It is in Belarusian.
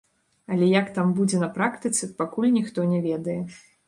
Але як там будзе на практыцы, пакуль ніхто не ведае.